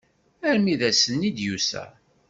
Armi d ass-nni i d-yusa.